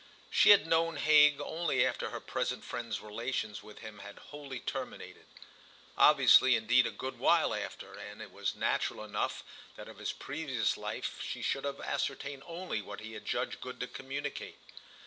She had known Hague only after her present friend's relations with him had wholly terminated; obviously indeed a good while after; and it was natural enough that of his previous life she should have ascertained only what he had judged good to communicate.